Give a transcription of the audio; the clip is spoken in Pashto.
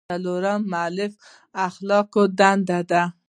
څلورمه مولفه اخلاقي دنده ده.